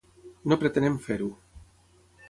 No pretenem fer-ho.